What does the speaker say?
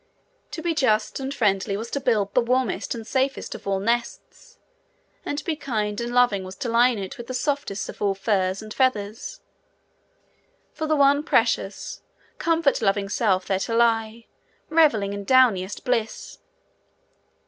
To be just and friendly was to build the warmest and safest of all nests, and to be kind and loving was to line it with the softest of all furs and feathers, for the one precious, comfort loving self there to lie, revelling in downiest bliss.